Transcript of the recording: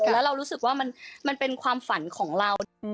แล้วเรารู้สึกว่ามันเป็นความฝันของเรา